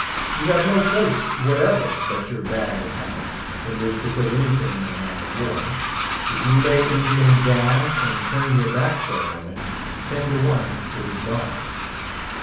You have no place whatever but your bag or hammock, in which to put anything in a man of war. If you lay anything down, and turn your back for a moment, ten to one it is gone.